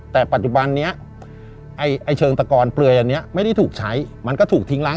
แต่ปัจจุบันนี้ไอ้เชิงตะกอนเปลือยอันนี้ไม่ได้ถูกใช้มันก็ถูกทิ้งล้าง